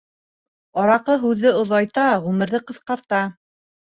Араҡы һүҙҙе оҙайта, ғүмерҙе ҡыҫҡарта.